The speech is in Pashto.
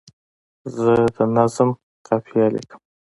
زه د نظم قافیه لیکم.